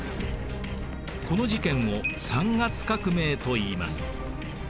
この事件を三月革命といいます。